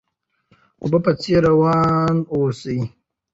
د اوبو په څیر روان اوسئ.